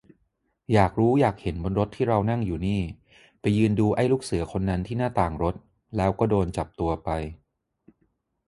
อยากรู้อยากเห็นบนรถที่เรานั่งอยู่นี่ ไปยืนดูไอ้ลูกเสือคนนั้นที่หน้าต่างรถ แล้วก็โดนจับตัวไป